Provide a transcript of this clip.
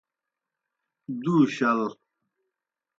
دُو شل۔